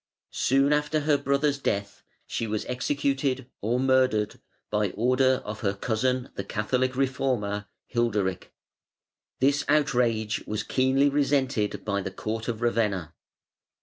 Soon after her brother's death she was executed or murdered, by order of her cousin the Catholic reformer, Hilderic. This outrage was keenly resented by the court of Ravenna.